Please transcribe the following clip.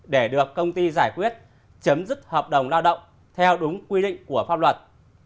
để được công ty giải quyết chấm dứt hợp đồng lao động theo đúng quy định của pháp luật